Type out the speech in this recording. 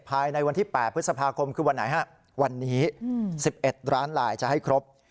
ภายในวันที่๘พฤษภาคมคือวันไหนฮะวันนี้๑๑ล้านลายจะให้ครบ